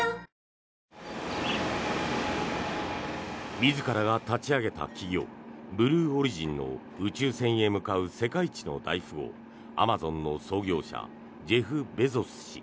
自らが立ち上げた企業ブルーオリジンの宇宙船へ向かう世界一の大富豪アマゾンの創業者ジェフ・ベゾス氏。